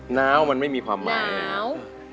หนาวมันไม่มีความหมาย